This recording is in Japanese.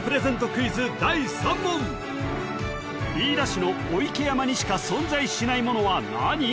クイズ第３問飯田市の御池山にしか存在しないものは何？